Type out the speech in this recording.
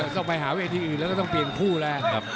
ต้องไปหาเวทีอื่นแล้วก็ต้องเปลี่ยนคู่แล้ว